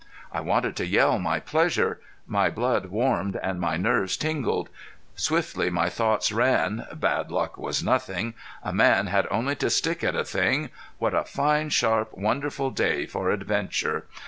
I wanted to yell my pleasure. My blood warmed and my nerves tingled. Swiftly my thoughts ran bad luck was nothing a man had only to stick at a thing what a fine, sharp, wonderful day for adventure!